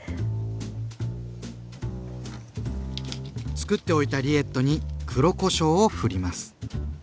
つくっておいたリエットに黒こしょうをふります。